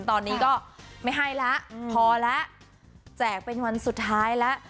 ตอนนี้ก็ไม่ให้แล้วพอแล้วแจกเป็นวันสุดท้ายแล้ว